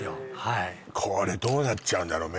はいこれどうなっちゃうんだろう